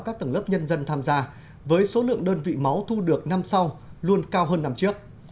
các tầng lớp nhân dân tham gia với số lượng đơn vị máu thu được năm sau luôn cao hơn năm trước